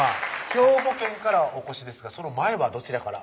兵庫県からお越しですがその前はどちらから？